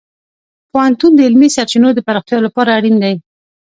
پوهنتون د علمي سرچینو د پراختیا لپاره اړین دی.